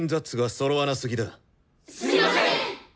すみません！